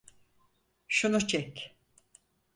Şunu çek.